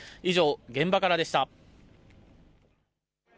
以上、現場からでした。